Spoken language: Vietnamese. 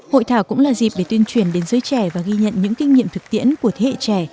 hội thảo cũng là dịp để tuyên truyền đến giới trẻ và ghi nhận những kinh nghiệm thực tiễn của thế hệ trẻ